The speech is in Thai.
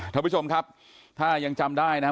ท่านผู้ชมครับถ้ายังจำได้นะฮะ